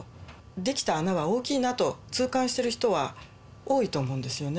出来た穴は大きいなと、痛感してる人は多いと思うんですよね。